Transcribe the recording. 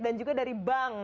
dan juga dari bank